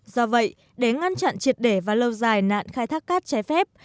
do vậy để ngăn chặn triệt để và lâu dài nạn khai thác cát trái phép